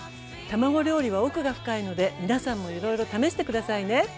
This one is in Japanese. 卵料理は奥が深いので皆さんもいろいろ試して下さいね。